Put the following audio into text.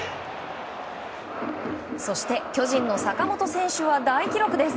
そして、巨人の坂本選手は大記録です。